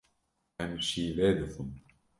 Em şîvê dixwin.